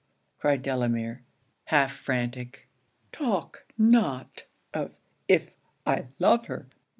cried Delamere, half frantic 'talk not of if I love her!